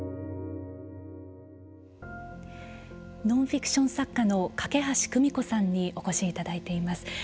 ノンフィクション作家の梯久美子さんにお越しいただいています。